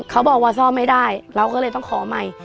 เขาบอกว่าซ่อมไม่ได้เราก็เลยต้องขอใหม่